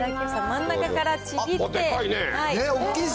真ん中からちぎって。